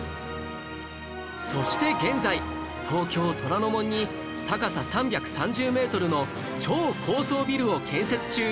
そして現在東京虎ノ門に高さ３３０メートルの超高層ビルを建設中